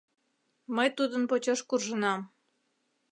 — Мый тудын почеш куржынам.